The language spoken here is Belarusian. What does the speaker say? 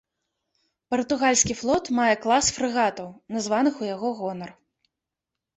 Партугальскі флот мае клас фрэгатаў, названых у яго гонар.